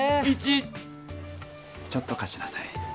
イチちょっとかしなさい。